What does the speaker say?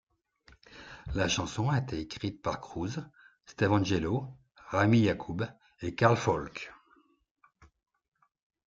La chanson a été écrite par Cruz, Steve Angello, Rami Yacoub et Carl Falk.